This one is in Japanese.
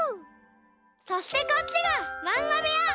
「そしてこっちがまんがべや。